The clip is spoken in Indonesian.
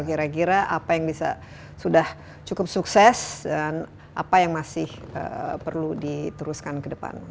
kira kira apa yang bisa sudah cukup sukses dan apa yang masih perlu diteruskan ke depan